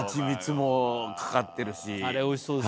あれ、おいしそうでしたね。